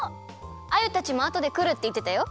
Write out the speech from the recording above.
アユたちもあとでくるっていってたよ。